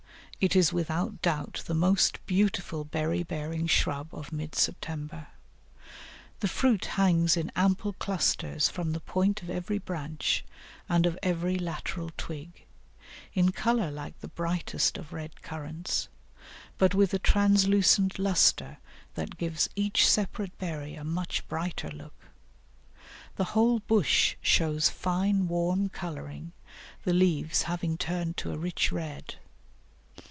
It is without doubt the most beautiful berry bearing shrub of mid September. The fruit hangs in ample clusters from the point of every branch and of every lateral twig, in colour like the brightest of red currants, but with a translucent lustre that gives each separate berry a much brighter look; the whole bush shows fine warm colouring, the leaves having turned to a rich red.